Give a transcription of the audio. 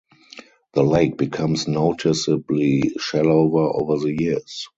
The lake becomes noticeably shallower over the years.